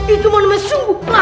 itu monumen sungguh lama